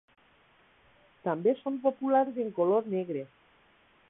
També són populars en color negre.